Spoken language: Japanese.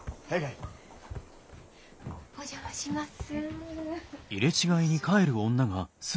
お邪魔します。